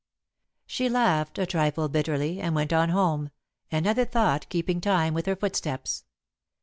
She laughed, a trifle bitterly, and went on home, another thought keeping time with her footsteps.